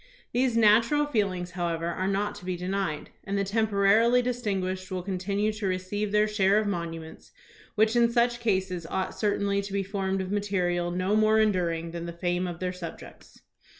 These natural feelings, however, are not to be denied, and the temporarily distinguished will con tinue to receive their share of monuments, which in such cases ought certainly to be formed of material no more enduring than the fame of their subjects.